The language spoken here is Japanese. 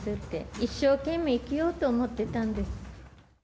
一生懸命生きようと思ってたんです。